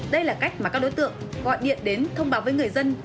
đây là cách mà các đối tượng gọi điện đến thông báo với người dân